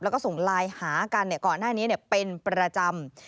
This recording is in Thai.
แล้วก็ส่งไลน์หากันเนี่ยก่อนหน้านี้เนี่ยเป็นประจำ